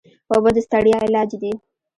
اوبه د ستړیا علاج دي.